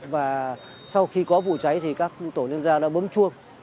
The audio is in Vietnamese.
và sau khi có vụ cháy thì các tổ liên gia đã bấm chuông